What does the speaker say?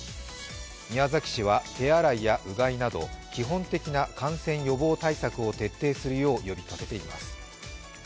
宮崎市は手洗いやうがいなど基本的な感染予防対策を徹底するよう呼びかけています。